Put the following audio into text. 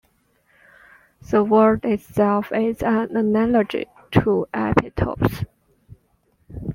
The word itself is an analogy to epitopes.